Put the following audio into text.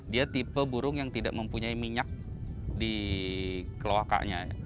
dia tipe burung yang tidak mempunyai minyak di keloakanya